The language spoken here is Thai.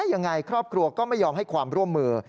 ยังไงครอบครัวก็ไม่ยอมให้ความร่วมมือ